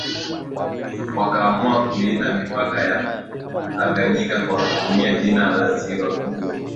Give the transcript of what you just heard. wakaamua kuliita mipaka ya Tanganyika kwa kutumia jina la ziwa kubwa